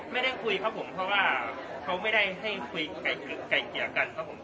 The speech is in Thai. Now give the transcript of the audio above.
ไม่ได้คุยครับผมเพราะว่าเขาไม่ได้ให้คุยไก่เกลี่ยกันครับผม